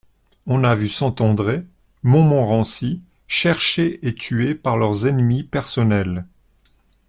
On a vu Saint-André, Montmorency, cherchés et tués par leurs ennemis personnels.